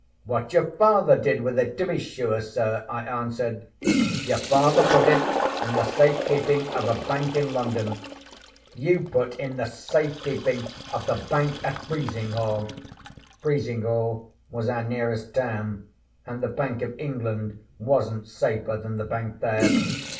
"What your father did with it, to be sure, sir!" I answered. "Your father put it in the safe keeping of a bank in London. You put in the safe keeping of the bank at Frizinghall." (Frizinghall was our nearest town, and the Bank of England wasn't safer than the bank there.)